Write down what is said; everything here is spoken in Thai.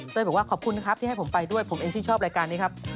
บอกว่าขอบคุณนะครับที่ให้ผมไปด้วยผมเองชื่นชอบรายการนี้ครับ